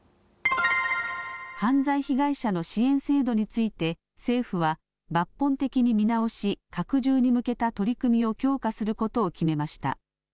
犯罪被害者の支援制度について、政府は抜本的に見直し、拡充に向けた取り組みを強化することを決めました。